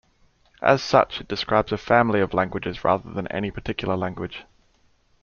As such, it describes a family of languages rather than any particular language.